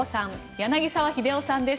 柳澤秀夫さんです。